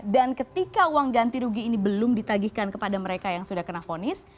dan ketika uang ganti rugi ini belum ditagihkan kepada mereka yang sudah kena ponis